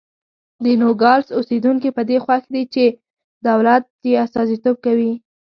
د نوګالس اوسېدونکي په دې خوښ دي چې دولت یې استازیتوب کوي.